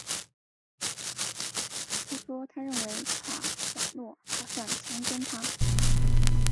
她说她认为卡瓦诺打算强奸她。